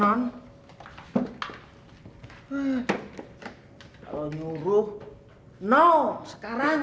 kalau nyuruh no sekarang